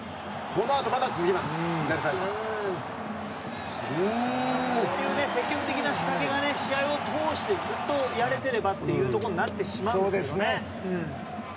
こういう積極的な仕掛けが試合を通してずっとやれていればというところになってしまうんですよね。